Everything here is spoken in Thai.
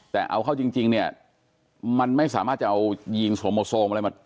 แต่เอาเข้าจริงเนี่ยมันไม่สามารถจะเอายีนสวโมโซมอะไรมา